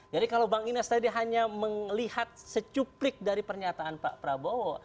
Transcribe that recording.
jadi kalau bang ines tadi hanya melihat secuplik dari pernyataan pak prabowo